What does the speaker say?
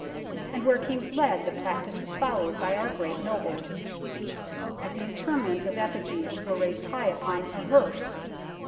And where Kings led, the practice was followed by our great nobles. At the interment the effigies were raised high upon a " herse."